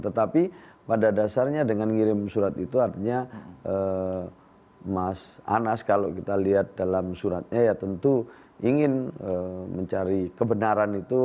tetapi pada dasarnya dengan ngirim surat itu artinya mas anas kalau kita lihat dalam suratnya ya tentu ingin mencari kebenaran itu